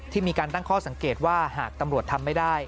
มีการตั้งข้อสังเกตว่าหากตำรวจทำไม่ได้